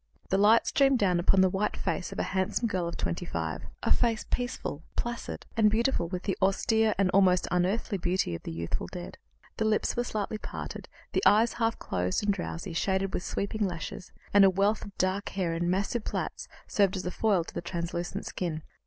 The light streamed down upon the white face of a handsome girl of twenty five, a face peaceful, placid, and beautiful with the austere and almost unearthly beauty of the youthful dead. The lips were slightly parted, the eyes half closed and drowsy, shaded with sweeping lashes; and a wealth of dark hair in massive plaits served as a foil to the translucent skin.